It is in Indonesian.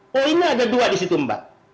poinnya ada dua disitu mbak